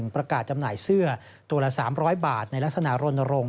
จำหน่ายเสื้อตัวละ๓๐๐บาทในลักษณะรณรงค